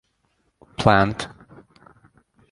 Plant.